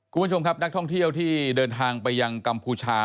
คุณผู้ชมครับนักท่องเที่ยวที่เดินทางไปยังกัมพูชา